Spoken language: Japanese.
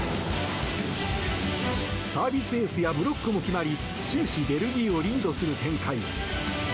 サービスエースやブロックが決まり終始ベルギーをリードする展開。